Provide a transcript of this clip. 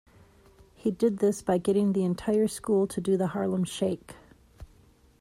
He did this by getting the entire school to do the Harlem shake.